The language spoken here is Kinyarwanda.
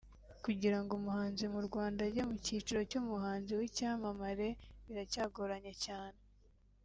Kugira ngo umuhanzi mu Rwanda ajye mu cyiciro cy’umuhanzi w’icyamamare biracyagoranye cyane